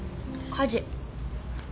火事？